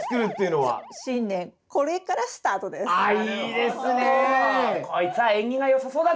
はい。